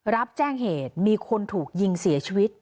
รับแจ้งเหตุมีคนถูกยิงเสียชีวิต